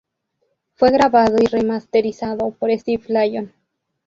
Fue grabado y remasterizado por Steve Lyon.